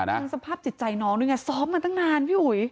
คือสภาพจิตใจน้องด้วยไงซ้อมมาตั้งนานพี่อุ๋ย